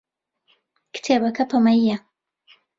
کتێبەکە پەمەیییە.